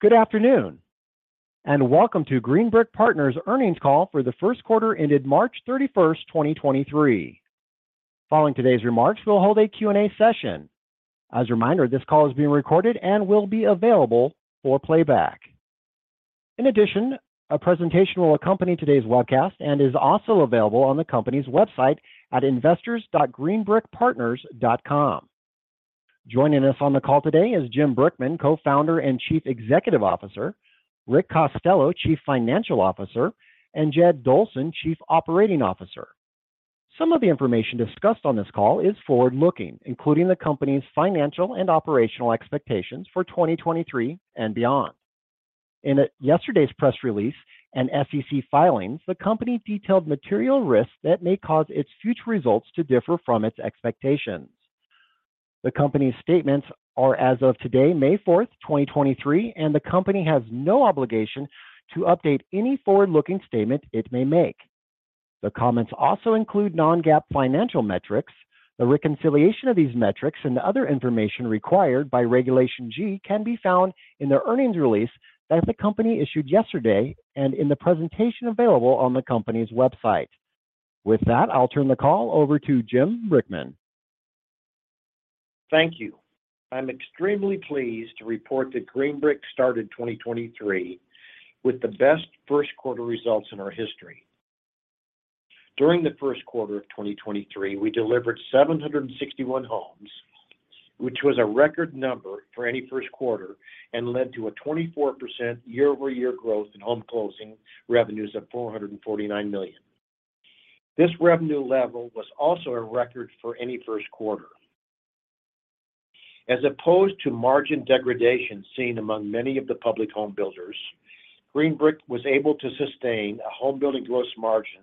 Good afternoon. Welcome to Green Brick Partners earnings call for the first quarter ended March 31st, 2023. Following today's remarks, we'll hold a Q&A session. As a reminder, this call is being recorded and will be available for playback. In addition, a presentation will accompany today's webcast and is also available on the company's website at investors.greenbrickpartners.com. Joining us on the call today is Jim Brickman, Co-founder and Chief Executive Officer, Rick Costello, Chief Financial Officer, and Jed Dolson, Chief Operating Officer. Some of the information discussed on this call is forward-looking, including the company's financial and operational expectations for 2023 and beyond. In yesterday's press release and SEC filings, the company detailed material risks that may cause its future results to differ from its expectations. The company's statements are as of today, May 4th, 2023, and the company has no obligation to update any forward-looking statement it may make. The comments also include non-GAAP financial metrics. The reconciliation of these metrics and the other information required by Regulation G can be found in the earnings release that the company issued yesterday and in the presentation available on the company's website. With that, I'll turn the call over to Jim Brickman. Thank you. I'm extremely pleased to report that Green Brick started 2023 with the best first quarter results in our history. During the first quarter of 2023, we delivered 761 homes, which was a record number for any first quarter and led to a 24% year-over-year growth in home closing revenues of $449 million. This revenue level was also a record for any first quarter. As opposed to margin degradation seen among many of the public homebuilders, Green Brick was able to sustain a homebuilding gross margin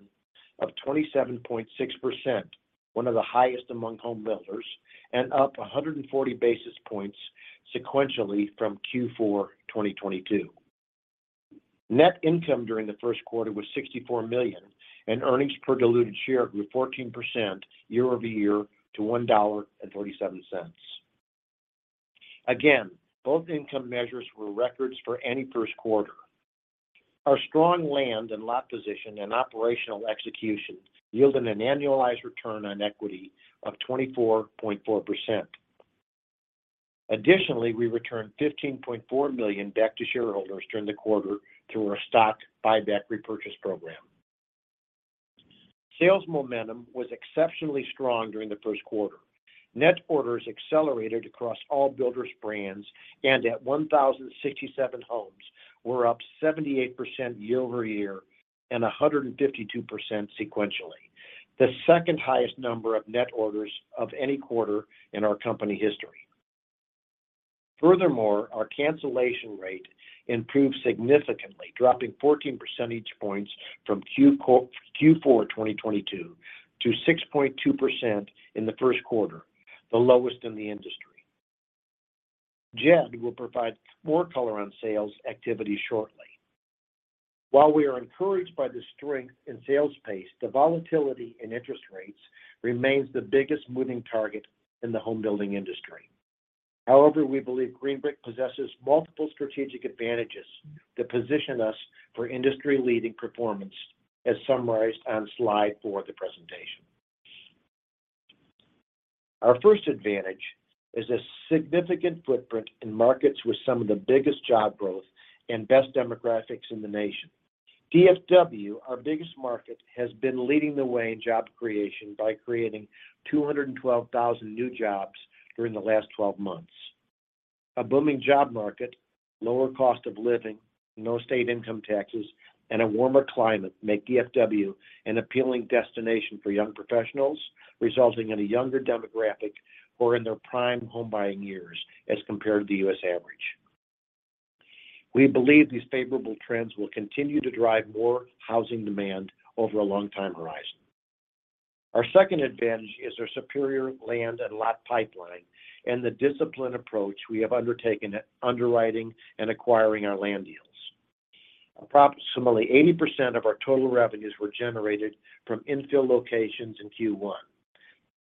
of 27.6%, one of the highest among homebuilders, and up 140 basis points sequentially from Q4 2022. Net income during the first quarter was $64 million, and earnings per diluted share grew 14% year-over-year to $1.37. Both income measures were records for any first quarter. Our strong land and lot position and operational execution yielded an annualized return on equity of 24.4%. Additionally, we returned $15.4 million back to shareholders during the quarter through our stock buyback repurchase program. Sales momentum was exceptionally strong during the first quarter. Net orders accelerated across all builders brands, and at 1,067 homes were up 78% year-over-year and 152% sequentially. The second-highest number of net orders of any quarter in our company history. Our cancellation rate improved significantly, dropping 14 percentage points from Q4 2022 to 6.2% in the first quarter, the lowest in the industry. Jed will provide more color on sales activity shortly. While we are encouraged by the strength in sales pace, the volatility in interest rates remains the biggest moving target in the home building industry. We believe Green Brick possesses multiple strategic advantages that position us for industry-leading performance as summarized on slide four of the presentation. Our first advantage is a significant footprint in markets with some of the biggest job growth and best demographics in the nation. DFW, our biggest market, has been leading the way in job creation by creating 212,000 new jobs during the last 12 months. A booming job market, lower cost of living, no state income taxes, and a warmer climate make DFW an appealing destination for young professionals, resulting in a younger demographic who are in their prime home buying years as compared to the U.S. average. We believe these favorable trends will continue to drive more housing demand over a long time horizon. Our second advantage is our superior land and lot pipeline and the disciplined approach we have undertaken underwriting and acquiring our land deals. Approximately 80% of our total revenues were generated from infill locations in Q1.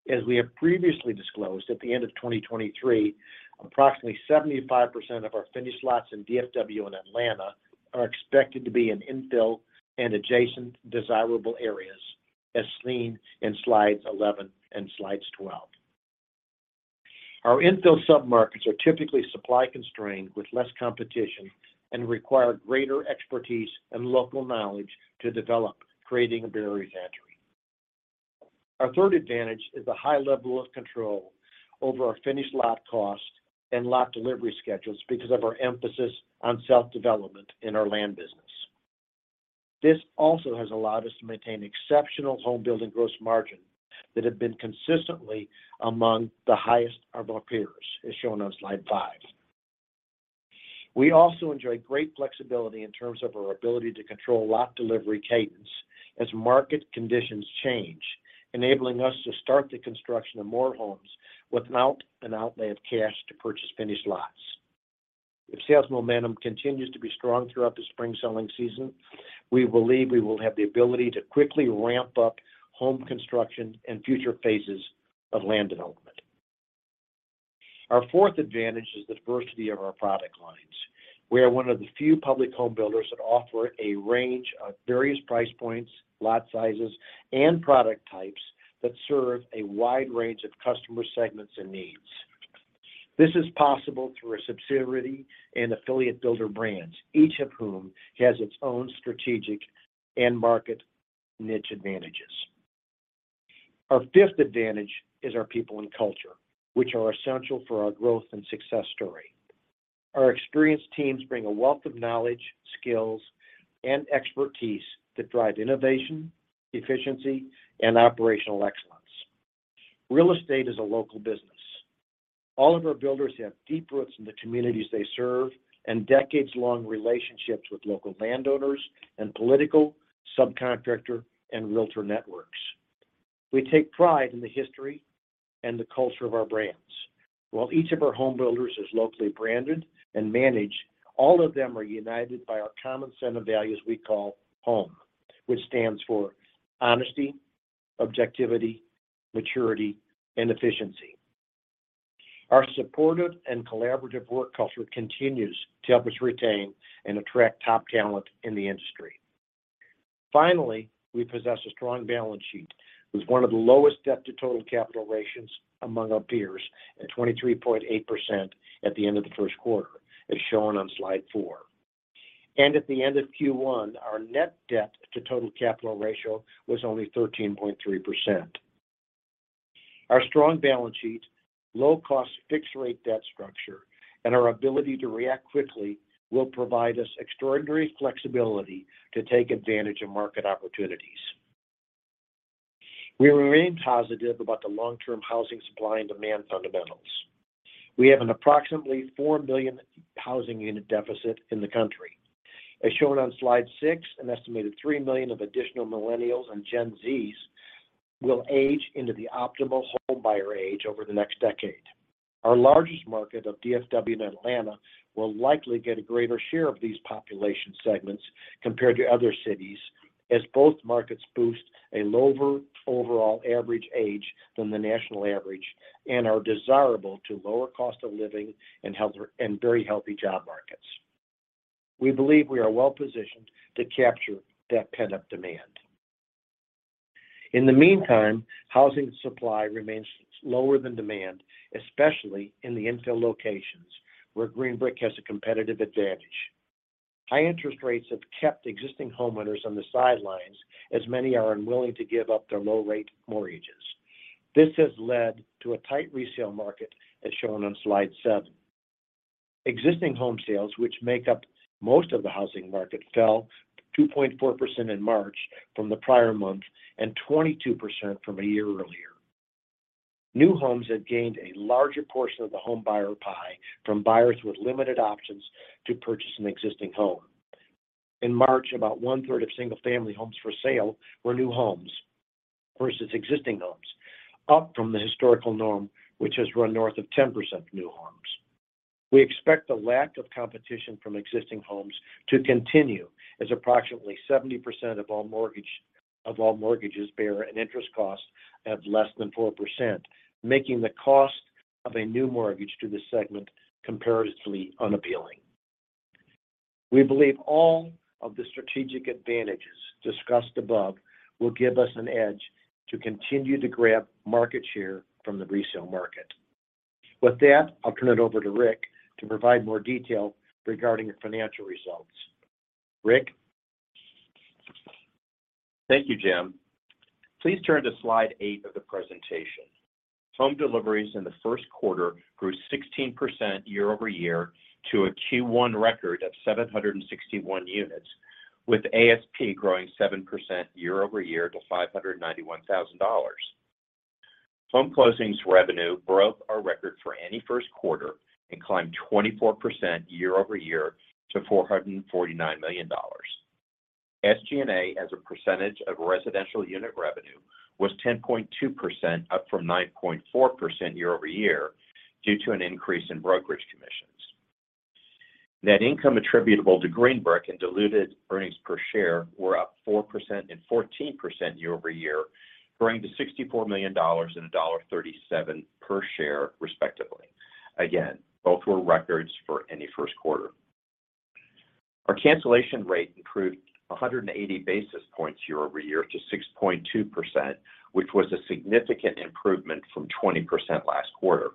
As we have previously disclosed, at the end of 2023, approximately 75% of our finished lots in DFW and Atlanta are expected to be in infill and adjacent desirable areas as seen in slides 11 and slides 12. Our infill submarkets are typically supply-constrained with less competition and require greater expertise and local knowledge to develop, creating a barrier to entry. Our third advantage is the high level of control over our finished lot cost and lot delivery schedules because of our emphasis on self-development in our land business. This also has allowed us to maintain exceptional homebuilding gross margin that have been consistently among the highest of our peers, as shown on slide 5. We also enjoy great flexibility in terms of our ability to control lot delivery cadence as market conditions change, enabling us to start the construction of more homes without an outlay of cash to purchase finished lots. If sales momentum continues to be strong throughout the spring selling season, we believe we will have the ability to quickly ramp up home construction and future phases of land development. Our fourth advantage is the diversity of our product lines. We are one of the few public homebuilders that offer a range of various price points, lot sizes, and product types that serve a wide range of customer segments and needs. This is possible through our subsidiary and affiliate builder brands, each of whom has its own strategic and market niche advantages. Our fifth advantage is our people and culture, which are essential for our growth and success story. Our experienced teams bring a wealth of knowledge, skills, and expertise that drive innovation, efficiency, and operational excellence. Real estate is a local business. All of our builders have deep roots in the communities they serve and decades-long relationships with local landowners and political, subcontractor, and realtor networks. We take pride in the history and the culture of our brands. While each of our home builders is locally branded and managed, all of them are united by our common set of values we call HOME, which stands for Honesty, Objectivity, Maturity, and Efficiency. Our supportive and collaborative work culture continues to help us retain and attract top talent in the industry. Finally, we possess a strong balance sheet with one of the lowest debt-to-total capital ratios among our peers at 23.8% at the end of the first quarter, as shown on slide four. At the end of Q1, our net debt to total capital ratio was only 13.3%. Our strong balance sheet, low-cost fixed-rate debt structure, and our ability to react quickly will provide us extraordinary flexibility to take advantage of market opportunities. We remain positive about the long-term housing supply and demand fundamentals. We have an approximately 4 billion housing unit deficit in the country. As shown on slide six, an estimated 3 million of additional millennials and Gen Zs will age into the optimal homebuyer age over the next decade. Our largest market of DFW and Atlanta will likely get a greater share of these population segments compared to other cities as both markets boast a lower overall average age than the national average and are desirable to lower cost of living and very healthy job markets. We believe we are well-positioned to capture that pent-up demand. In the meantime, housing supply remains lower than demand, especially in the infill locations where Green Brick has a competitive advantage. High interest rates have kept existing homeowners on the sidelines as many are unwilling to give up their low-rate mortgages. This has led to a tight resale market as shown on slide seven. Existing home sales, which make up most of the housing market, fell 2.4% in March from the prior month and 22% from a year earlier. New homes have gained a larger portion of the homebuyer pie from buyers with limited options to purchase an existing home. In March, about 1/3 of single-family homes for sale were new homes versus existing homes, up from the historical norm, which has run north of 10% new homes. We expect the lack of competition from existing homes to continue as approximately 70% of all mortgages bear an interest cost of less than 4%, making the cost of a new mortgage to this segment comparatively unappealing. We believe all of the strategic advantages discussed above will give us an edge to continue to grab market share from the resale market. With that, I'll turn it over to Rick to provide more detail regarding the financial results. Rick? Thank you, Jim. Please turn to slide eight of the presentation. Home deliveries in the first quarter grew 16% year-over-year to a Q1 record of 761 units, with ASP growing 7% year-over-year to $591,000. Home closings revenue broke our record for any first quarter and climbed 24% year-over-year to $449 million. SG&A as a percentage of residential unit revenue was 10.2%, up from 9.4% year-over-year due to an increase in brokerage commissions. Net income attributable to Green Brick and diluted earnings per share were up 4% and 14% year-over-year, growing to $64 million and $1.37 per share, respectively. Again, both were records for any first quarter. Our cancellation rate improved 180 basis points year-over-year to 6.2%, which was a significant improvement from 20% last quarter.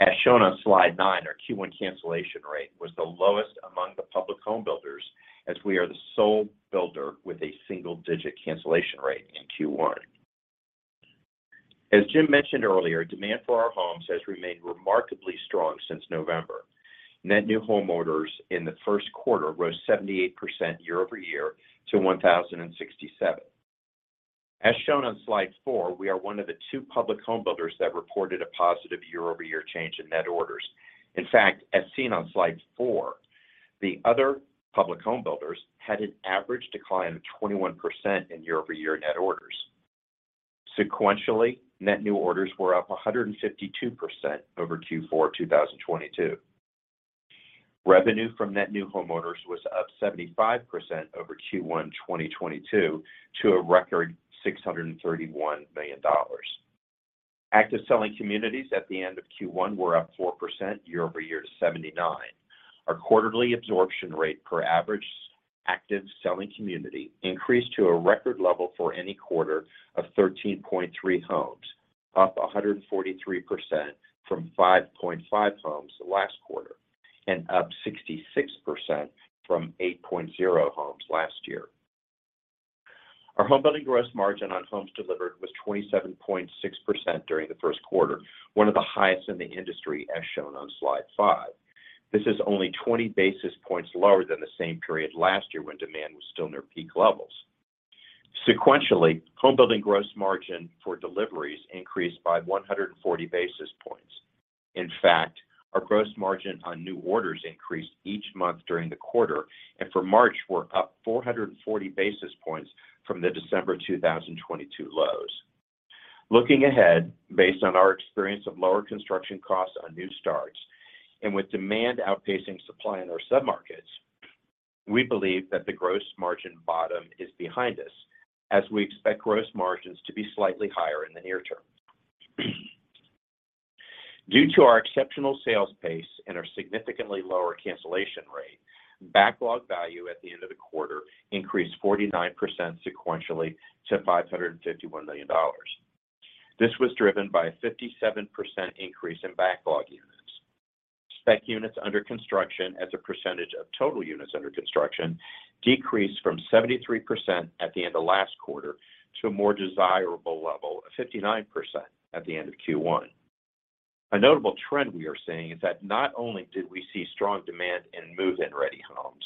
As shown on slide nine, our Q1 cancellation rate was the lowest among the public home builders as we are the sole builder with a single-digit cancellation rate in Q1. As Jim mentioned earlier, demand for our homes has remained remarkably strong since November. Net new home orders in the first quarter rose 78% year-over-year to 1,067. As shown on slide four, we are one of the two public home builders that reported a positive year-over-year change in net orders. In fact, as seen on slide four, the other public home builders had an average decline of 21% in year-over-year net orders. Sequentially, net new orders were up 152% over Q4 2022. Revenue from net new homeowners was up 75% over Q1 2022 to a record $631 million. Active selling communities at the end of Q1 were up 4% year-over-year to 79%. Our quarterly absorption rate per average active selling community increased to a record level for any quarter of 13.3 homes, up 143% from 5.5 homes the last quarter, and up 66% from 8.0 homes last year. Our homebuilding gross margin on homes delivered was 27.6% during the first quarter, one of the highest in the industry, as shown on slide five. This is only 20 basis points lower than the same period last year when demand was still near peak levels. Sequentially, homebuilding gross margin for deliveries increased by 140 basis points. In fact, our gross margin on new orders increased each month during the quarter. For March, we're up 440 basis points from the December 2022 lows. Looking ahead, based on our experience of lower construction costs on new starts and with demand outpacing supply in our submarkets, we believe that the gross margin bottom is behind us as we expect gross margins to be slightly higher in the near term. Due to our exceptional sales pace and our significantly lower cancellation rate, backlog value at the end of the quarter increased 49% sequentially to $551 million. This was driven by a 57% increase in backlog units. Spec units under construction as a percentage of total units under construction decreased from 73% at the end of last quarter to a more desirable level of 59% at the end of Q1. A notable trend we are seeing is that not only did we see strong demand in move-in-ready homes,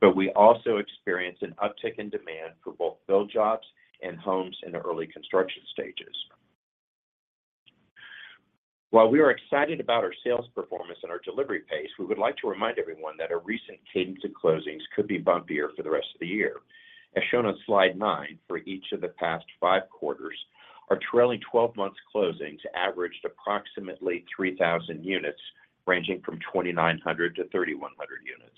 but we also experienced an uptick in demand for both build jobs and homes in the early construction stages. While we are excited about our sales performance and our delivery pace, we would like to remind everyone that our recent cadence in closings could be bumpier for the rest of the year. As shown on slide nine, for each of the past five quarters, our trailing 12 months closings averaged approximately 3,000 units, ranging from 2,900 units-3,100 units.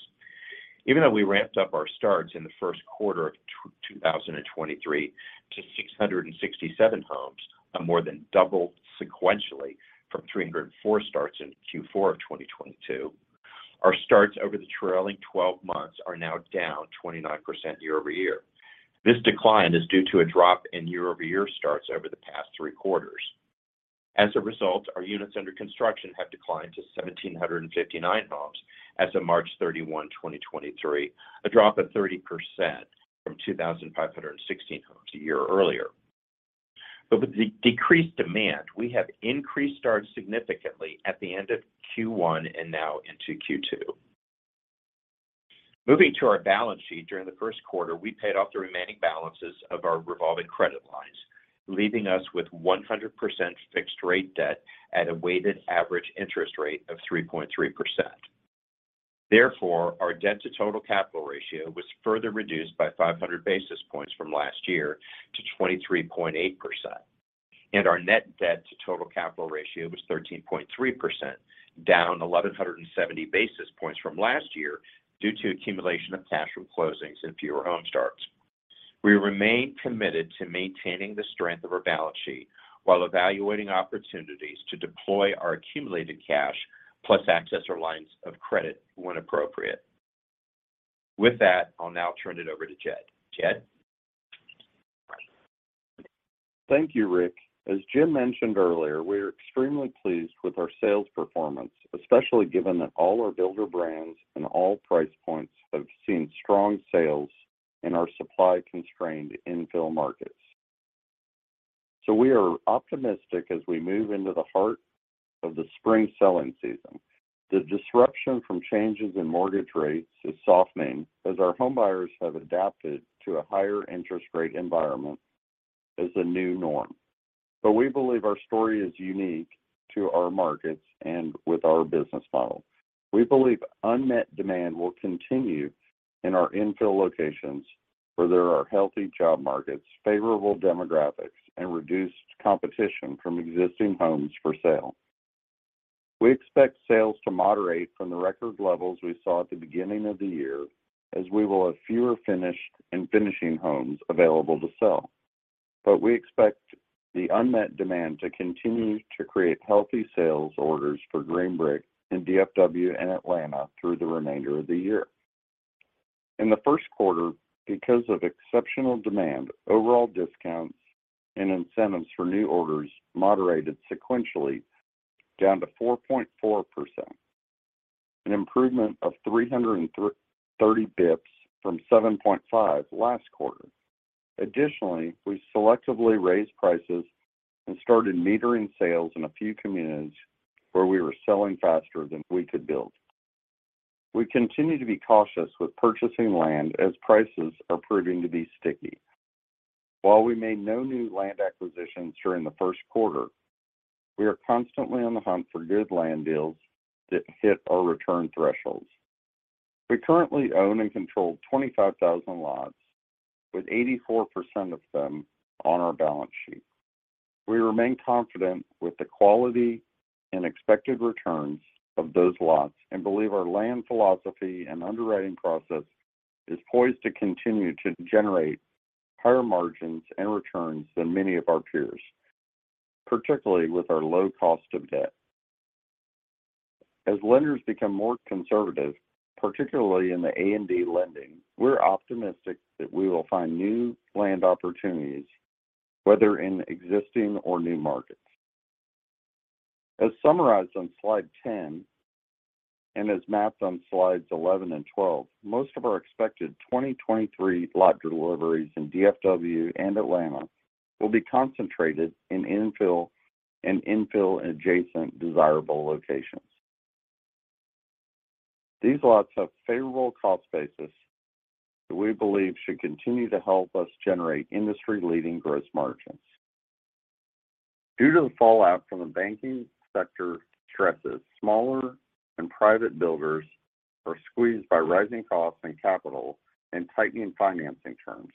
Even though we ramped up our starts in the first quarter of 2023 to 667 homes, more than double sequentially from 304 starts in Q4 of 2022, our starts over the trailing twelve months are now down 29% year-over-year. This decline is due to a drop in year-over-year starts over the past three quarters. As a result, our units under construction have declined to 1,759 homes as of March 31, 2023, a drop of 30% from 2,516 homes a year earlier. With the decreased demand, we have increased starts significantly at the end of Q1 and now into Q2. Moving to our balance sheet, during the first quarter, we paid off the remaining balances of our revolving credit lines, leaving us with 100% fixed rate debt at a weighted average interest rate of 3.3%. Our debt to total capital ratio was further reduced by 500 basis points from last year to 23.8%. Our net debt to total capital ratio was 13.3%, down 1,170 basis points from last year due to accumulation of cash from closings and fewer home starts. We remain committed to maintaining the strength of our balance sheet while evaluating opportunities to deploy our accumulated cash plus access our lines of credit when appropriate. With that, I'll now turn it over to Jed. Jed. Thank you, Rick. As Jim mentioned earlier, we are extremely pleased with our sales performance, especially given that all our builder brands and all price points have seen strong sales in our supply-constrained infill markets. We are optimistic as we move into the heart of the spring selling season. The disruption from changes in mortgage rates is softening as our home buyers have adapted to a higher interest rate environment as the new norm. We believe our story is unique to our markets and with our business model. We believe unmet demand will continue in our infill locations where there are healthy job markets, favorable demographics, and reduced competition from existing homes for sale. We expect sales to moderate from the record levels we saw at the beginning of the year, as we will have fewer finished and finishing homes available to sell. We expect the unmet demand to continue to create healthy sales orders for Green Brick in DFW and Atlanta through the remainder of the year. In the first quarter, because of exceptional demand, overall discounts and incentives for new orders moderated sequentially down to 4.4%, an improvement of 330 basis points from 7.5% last quarter. Additionally, we selectively raised prices and started metering sales in a few communities where we were selling faster than we could build. While we made no new land acquisitions during the first quarter, we are constantly on the hunt for good land deals that hit our return thresholds. We currently own and control 25,000 lots with 84% of them on our balance sheet. We remain confident with the quality and expected returns of those lots, and believe our land philosophy and underwriting process is poised to continue to generate higher margins and returns than many of our peers, particularly with our low cost of debt. As lenders become more conservative, particularly in the A&D lending, we're optimistic that we will find new land opportunities, whether in existing or new markets. As summarized on slide 10 and as mapped on slides 11 and 12, most of our expected 2023 lot deliveries in DFW and Atlanta will be concentrated in infill and infill-adjacent desirable locations. These lots have favorable cost basis that we believe should continue to help us generate industry-leading gross margins. Due to the fallout from the banking sector stresses, smaller and private builders are squeezed by rising costs and capital and tightening financing terms.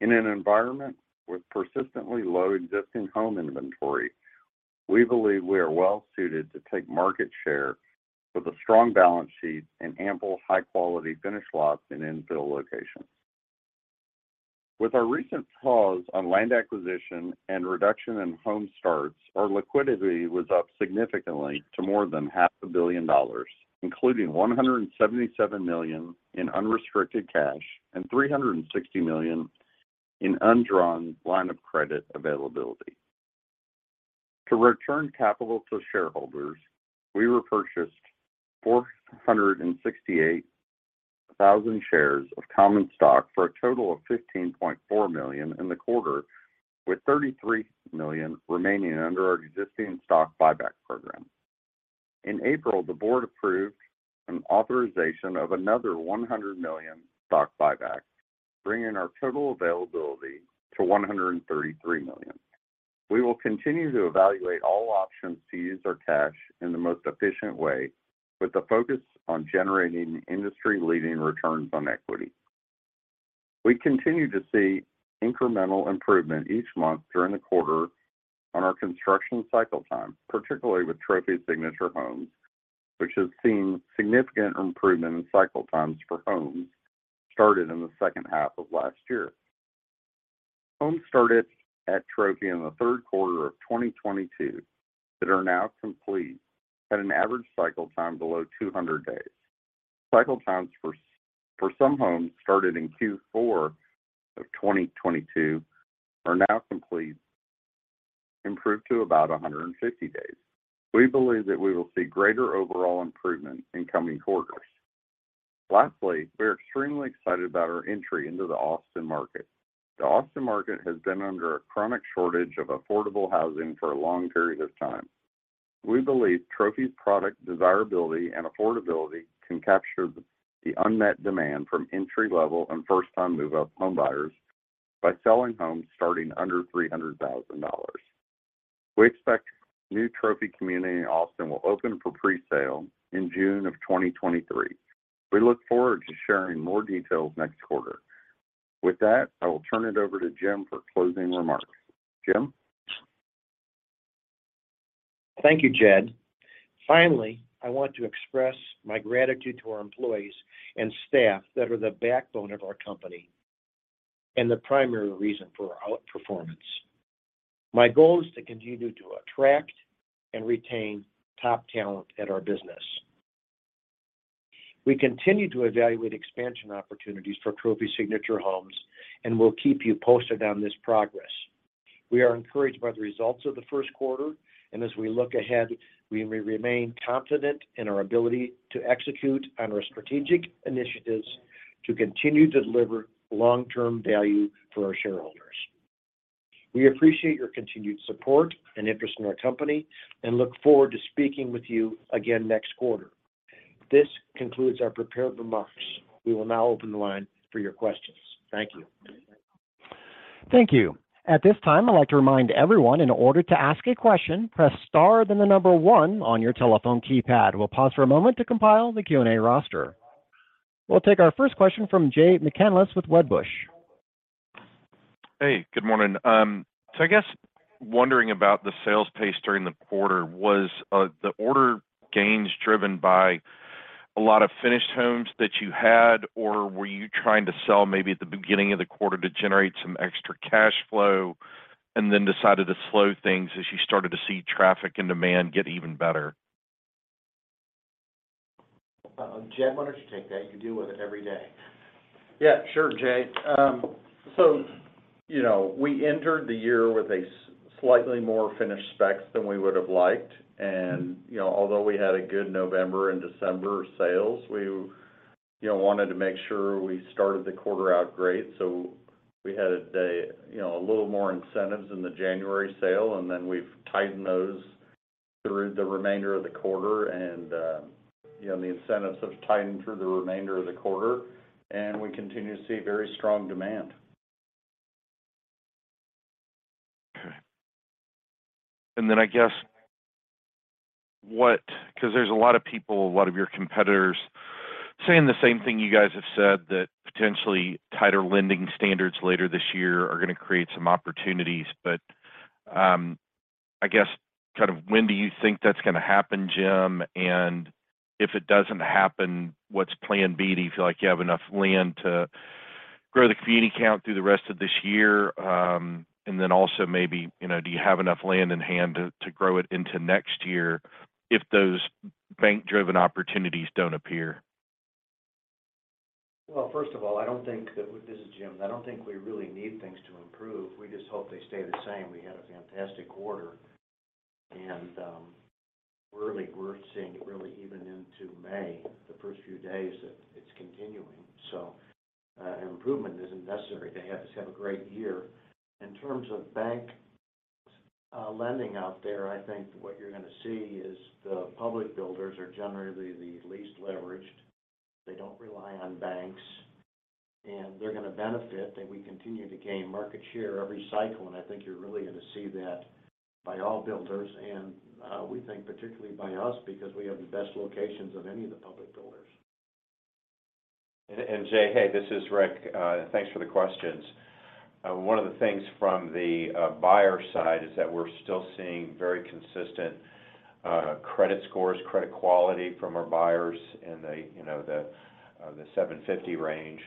In an environment with persistently low existing home inventory, we believe we are well suited to take market share with a strong balance sheet and ample high-quality finished lots and infill locations. With our recent pause on land acquisition and reduction in home starts, our liquidity was up significantly to more than half a billion dollars, including $177 million in unrestricted cash and $360 million in undrawn line of credit availability. To return capital to shareholders, we repurchased 468,000 shares of common stock for a total of $15.4 million in the quarter, with $33 million remaining under our existing stock buyback program. In April, the board approved an authorization of another $100 million stock buyback, bringing our total availability to $133 million. We will continue to evaluate all options to use our cash in the most efficient way with a focus on generating industry-leading returns on equity. We continue to see incremental improvement each month during the quarter on our construction cycle time, particularly with Trophy Signature Homes, which has seen significant improvement in cycle times for homes started in the second half of last year. Homes started at Trophy in the third quarter of 2022 that are now complete had an average cycle time below 200 days. Cycle times for some homes started in Q4 of 2022 are now complete improved to about 150 days. We believe that we will see greater overall improvement in coming quarters. We are extremely excited about our entry into the Austin market. The Austin market has been under a chronic shortage of affordable housing for a long period of time. We believe Trophy's product desirability and affordability can capture the unmet demand from entry-level and first-time move-up homebuyers by selling homes starting under $300,000. We expect new Trophy community in Austin will open for pre-sale in June of 2023. We look forward to sharing more details next quarter. I will turn it over to Jim for closing remarks. Jim? Thank you, Jed. I want to express my gratitude to our employees and staff that are the backbone of our company and the primary reason for our outperformance. My goal is to continue to attract and retain top talent at our business. We continue to evaluate expansion opportunities for Trophy Signature Homes, we'll keep you posted on this progress. We are encouraged by the results of the first quarter, as we look ahead, we may remain confident in our ability to execute on our strategic initiatives to continue to deliver long-term value for our shareholders. We appreciate your continued support and interest in our company, look forward to speaking with you again next quarter. This concludes our prepared remarks. We will now open the line for your questions. Thank you. Thank you. At this time, I'd like to remind everyone in order to ask a question, press star then the number one on your telephone keypad. We'll pause for a moment to compile the Q&A roster. We'll take our first question from Jay McCanless with Wedbush. Hey, good morning. I guess wondering about the sales pace during the quarter. Was the order gains driven by a lot of finished homes that you had? Or were you trying to sell maybe at the beginning of the quarter to generate some extra cash flow and then decided to slow things as you started to see traffic and demand get even better? Jed, why don't you take that? You deal with it every day. Yeah, sure, Jay. You know, we entered the year with a slightly more finished specs than we would have liked. You know, although we had a good November and December sales, we, you know, wanted to make sure we started the quarter out great. We had a, you know, a little more incentives in the January sale, and then we've tightened those through the remainder of the quarter. You know, the incentives have tightened through the remainder of the quarter, and we continue to see very strong demand. Okay. 'cause there's a lot of people, a lot of your competitors saying the same thing you guys have said, that potentially tighter lending standards later this year are gonna create some opportunities. I guess, kind of when do you think that's gonna happen, Jim? If it doesn't happen, what's plan B? Do you feel like you have enough land to grow the community count through the rest of this year? Also maybe, you know, do you have enough land in hand to grow it into next year if those bank-driven opportunities don't appear? Well, first of all, I don't think. This is Jim. I don't think we really need things to improve. We just hope they stay the same. We had a fantastic quarter, and really we're seeing it really even into May, the first few days that it's continuing. Improvement isn't necessary to have a great year. In terms of bank lending out there, I think what you're gonna see is the public builders are generally the least leveraged. They don't rely on banks, and they're gonna benefit, and we continue to gain market share every cycle, and I think you're really gonna see that by all builders, and we think particularly by us because we have the best locations of any of the public builders. Jay, hey, this is Rick. Thanks for the questions. One of the things from the buyer side is that we're still seeing very consistent credit scores, credit quality from our buyers in the, you know, the 750 range.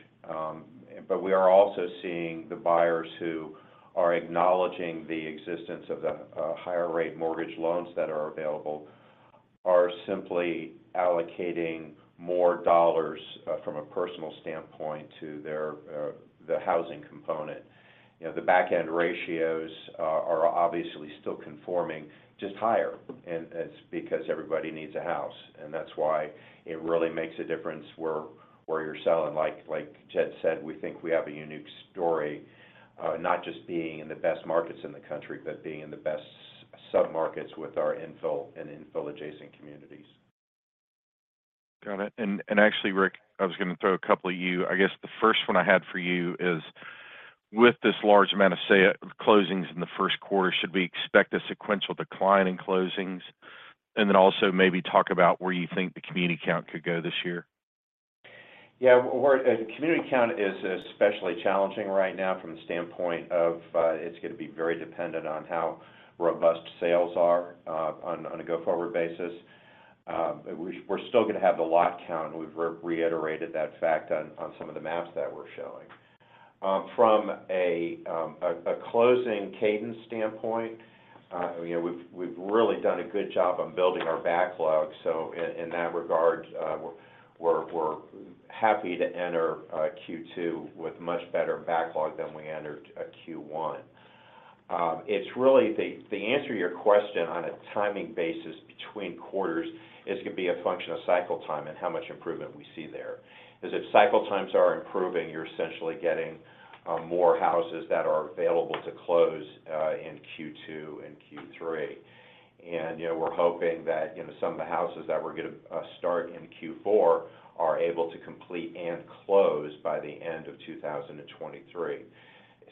We are also seeing the buyers who are acknowledging the existence of the higher rate mortgage loans that are available are simply allocating more dollars from a personal standpoint to their the housing component. You know, the backend ratios are obviously still conforming, just higher, and it's because everybody needs a house. That's why it really makes a difference where you're selling. Like Jed said, we think we have a unique story, not just being in the best markets in the country, but being in the best sub-markets with our infill and infill-adjacent communities. Got it. Actually, Rick, I was gonna throw a couple at you. I guess the first one I had for you is, with this large amount of closings in the first quarter, should we expect a sequential decline in closings? Also maybe talk about where you think the community count could go this year. Yeah. Community count is especially challenging right now from the standpoint of it's gonna be very dependent on how robust sales are on a go-forward basis. We're still gonna have the lot count, and we've reiterated that fact on some of the maps that we're showing. From a closing cadence standpoint, you know, we've really done a good job on building our backlog. In that regard, we're happy to enter Q2 with much better backlog than we entered Q1. The answer to your question on a timing basis between quarters is gonna be a function of cycle time and how much improvement we see there. 'Cause if cycle times are improving, you're essentially getting more houses that are available to close in Q2 and Q3. You know, we're hoping that, you know, some of the houses that we're gonna start in Q4 are able to complete and close by the end of 2023.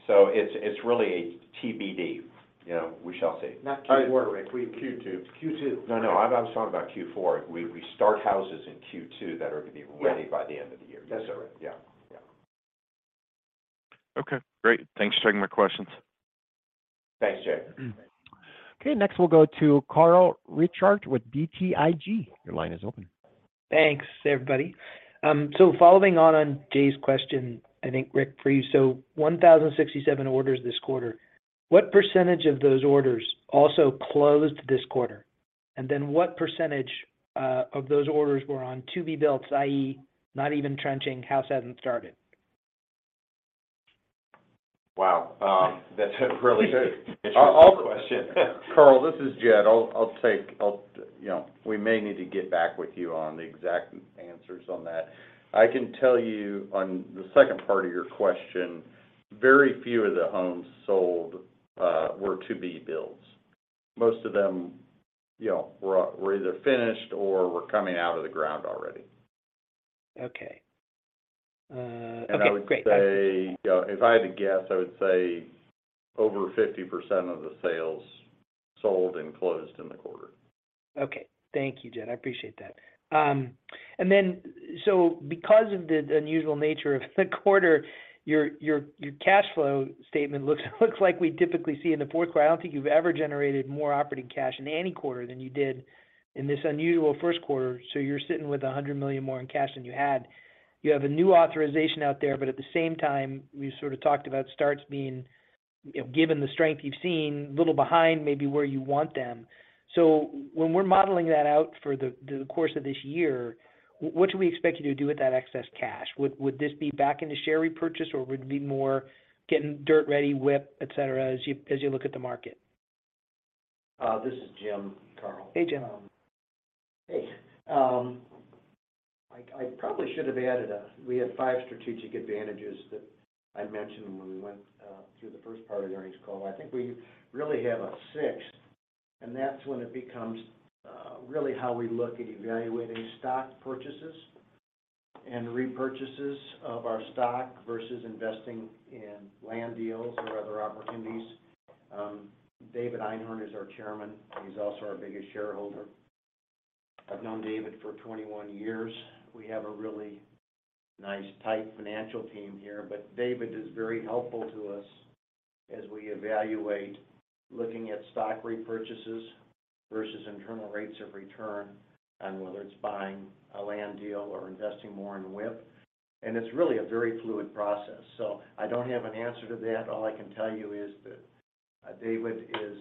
It's really a TBD. You know, we shall see. Not Q4, Rick. Q2. Q2. No, I was talking about Q4. We start houses in Q2 that are gonna be ready by the end of the year. That's correct. Yeah. Yeah. Okay. Great. Thanks for taking my questions. Thanks, Jay. Okay, next we'll go to Carl Reichardt with BTIG. Your line is open. Thanks, everybody. Following on Jay's question, I think, Rick, for you. 1,067 orders this quarter, what percentage of those orders also closed this quarter? What percentage of those orders were on to-be-built, i.e., not even trenching, house hasn't started? Wow. That's a really interesting question. Carl Reichardt, this is Jed Dolson. I'll take. You know, we may need to get back with you on the exact answers on that. I can tell you on the second part of your question, very few of the homes sold, were to-be builds. Most of them, you know, were either finished or were coming out of the ground already. Okay. Okay, great. I would say, you know, if I had to guess, I would say over 50% of the sales sold and closed in the quarter. Okay. Thank you, Jed. I appreciate that. Because of the unusual nature of the quarter, your cash flow statement looks like we typically see in the fourth quarter. I don't think you've ever generated more operating cash in any quarter than you did in this unusual first quarter. You're sitting with $100 million more in cash than you had. You have a new authorization out there, but at the same time, you sort of talked about starts being, you know, given the strength you've seen, a little behind maybe where you want them. When we're modeling that out for the course of this year, what do we expect you to do with that excess cash? Would this be back into share repurchase, or would it be more getting dirt ready, WIP, etc., as you look at the market? This is Jim, Carl. Hey, Jim. Hey. I probably should have added, we had five strategic advantages that I mentioned when we went through the first part of the earnings call. I think we really have a sixth, and that's when it becomes really how we look at evaluating stock purchases. Repurchases of our stock versus investing in land deals or other opportunities, David Einhorn is our chairman, and he's also our biggest shareholder. I've known David for 21 years. We have a really nice, tight financial team here. David is very helpful to us as we evaluate looking at stock repurchases versus internal rates of return on whether it's buying a land deal or investing more in WIP. It's really a very fluid process. I don't have an answer to that. All I can tell you is that David is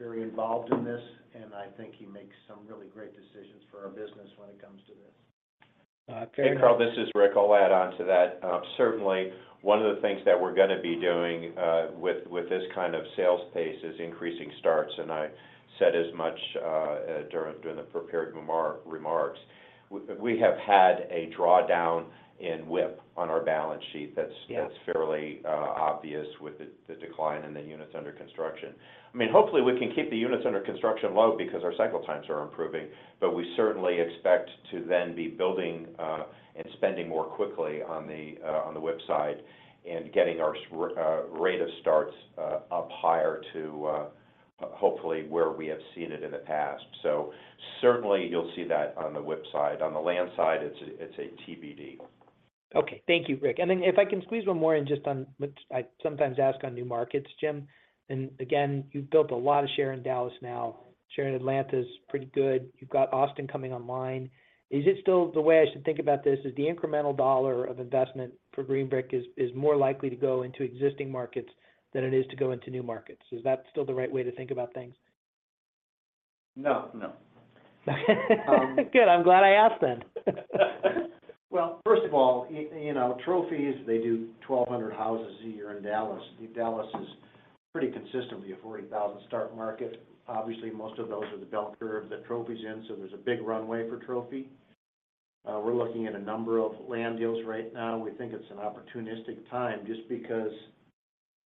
very involved in this, and I think he makes some really great decisions for our business when it comes to this. Uh, great. Hey, Carl, this is Rick. I'll add on to that. Certainly one of the things that we're gonna be doing with this kind of sales pace is increasing starts, and I said as much during the prepared remarks. We have had a drawdown in WIP on our balance sheet. Yes. That's fairly obvious with the decline in the units under construction. I mean, hopefully we can keep the units under construction low because our cycle times are improving. We certainly expect to then be building and spending more quickly on the WIP side and getting our rate of starts up higher to hopefully where we have seen it in the past. Certainly you'll see that on the WIP side. On the land side, it's a TBD. Okay. Thank you, Rick. If I can squeeze one more in just on what I sometimes ask on new markets, Jim. Again, you've built a lot of share in Dallas now. Share in Atlanta is pretty good. You've got Austin coming online. Is it still the way I should think about this is the incremental dollar of investment for Green Brick is more likely to go into existing markets than it is to go into new markets? Is that still the right way to think about things? No, no. Good. I'm glad I asked then. Well, first of all, you know, Trophy, they do 1,200 houses a year in Dallas. Dallas is pretty consistently a 40,000 start market. Obviously, most of those are the bell curves that Trophy's in, so there's a big runway for Trophy. We're looking at a number of land deals right now. We think it's an opportunistic time just because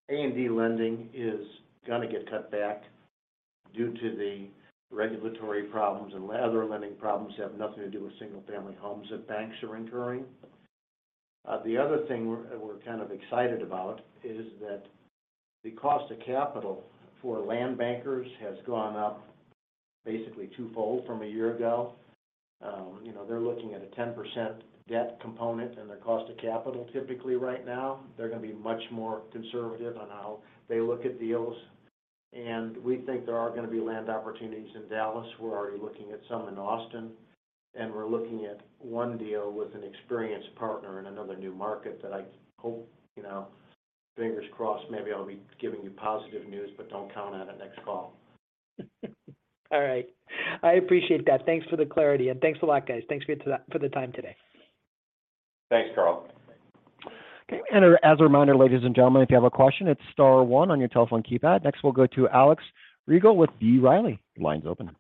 A&D lending is gonna get cut back due to the regulatory problems and other lending problems that have nothing to do with single family homes that banks are incurring. The other thing we're kind of excited about is that the cost of capital for land bankers has gone up basically twofold from a year ago. You know, they're looking at a 10% debt component in their cost of capital typically right now. They're gonna be much more conservative on how they look at deals. We think there are gonna be land opportunities in Dallas. We're already looking at some in Austin. We're looking at one deal with an experienced partner in another new market that I hope, you know, fingers crossed, maybe I'll be giving you positive news. Don't count on it next call. All right. I appreciate that. Thanks for the clarity, and thanks a lot, guys. Thanks for the time today. Thanks, Carl. Okay. As a reminder, ladies and gentlemen, if you have a question, it's star one on your telephone keypad. Next, we'll go to Alex Rygiel with B. Riley. Your line's open.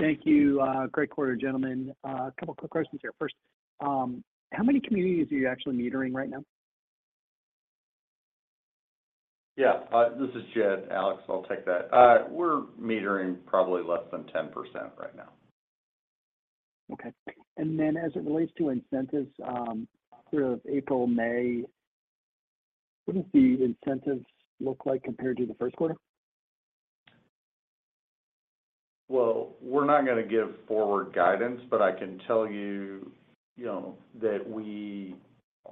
Thank you. great quarter, gentlemen. A couple of quick questions here. First, how many communities are you actually metering right now? Yeah. This is Jed, Alex. I'll take that. We're metering probably less than 10% right now. Okay. As it relates to incentives, sort of April, May, what does the incentives look like compared to the first quarter? We're not gonna give forward guidance, but I can tell you know, that we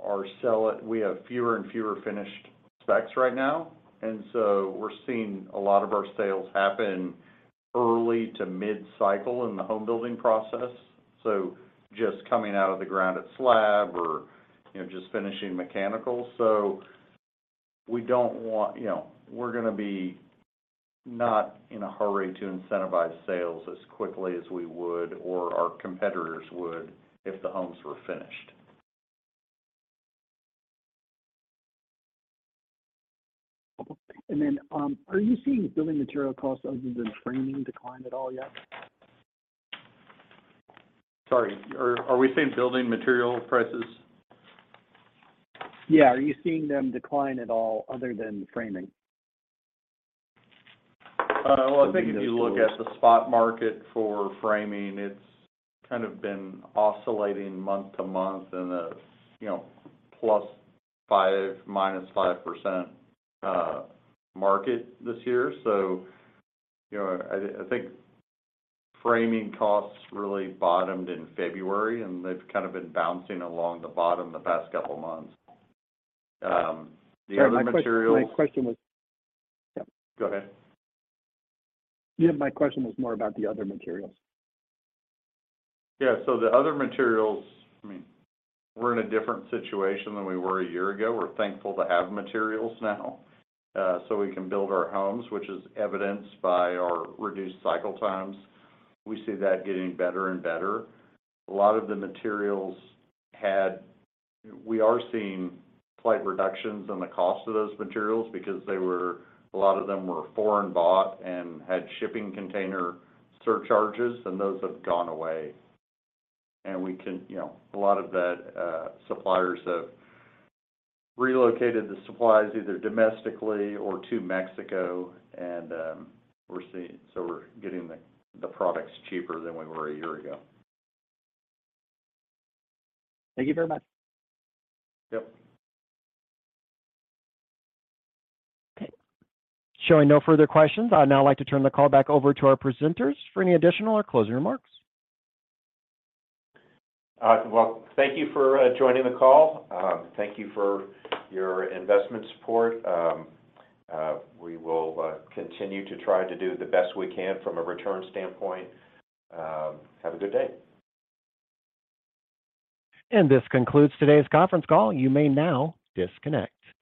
have fewer and fewer finished specs right now, and so we're seeing a lot of our sales happen early to mid-cycle in the home building process. Just coming out of the ground at slab or, you know, just finishing mechanical. We don't want. You know, we're gonna be not in a hurry to incentivize sales as quickly as we would or our competitors would if the homes were finished. Are you seeing building material costs other than framing decline at all yet? Sorry, are we seeing building material prices? Are you seeing them decline at all other than the framing? Well, I think if you look at the spot market for framing, it's kind of been oscillating month to month in a, you know, +5%, -5%, market this year. You know, I think framing costs really bottomed in February, and they've kind of been bouncing along the bottom the past couple of months. The other materials. Sorry, my question was. Yeah. Go ahead. My question was more about the other materials. Yeah. The other materials, I mean, we're in a different situation than we were a year ago. We're thankful to have materials now, so we can build our homes, which is evidenced by our reduced cycle times. We see that getting better and better. We are seeing slight reductions in the cost of those materials because a lot of them were foreign bought and had shipping container surcharges, and those have gone away. We can, you know, a lot of that, suppliers have relocated the supplies either domestically or to Mexico, and we're getting the products cheaper than we were a year ago. Thank you very much. Yep. Okay. Showing no further questions, I'd now like to turn the call back over to our presenters for any additional or closing remarks. Well, thank you for joining the call. Thank you for your investment support. We will continue to try to do the best we can from a return standpoint. Have a good day. This concludes today's conference call. You may now disconnect.